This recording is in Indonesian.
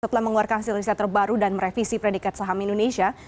setelah mengeluarkan silisih terbaru dan merevisi predikat saham indonesia